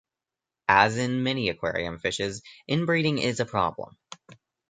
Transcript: As in many aquarium fishes, inbreeding is a problem.